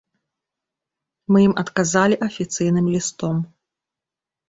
Мы ім адказалі афіцыйным лістом.